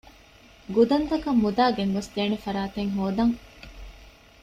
ގުދަންތަކަށް މުދާ ގެންގޮސްދޭނެ ފަރާތެއް ހޯދަން